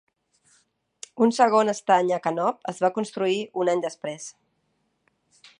Un segon estany a Cannop es va construir un any després.